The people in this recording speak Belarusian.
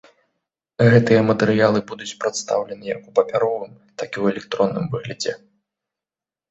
Гэтыя матэрыялы будуць прадстаўлены як у папяровым, так і ў электронным выглядзе.